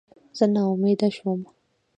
زه ناامیده شوم.